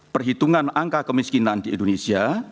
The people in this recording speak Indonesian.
perhitungan angka kemiskinan di indonesia